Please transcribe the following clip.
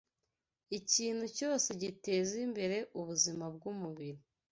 Ikintu cyose giteza imbere ubuzima bw’umubiri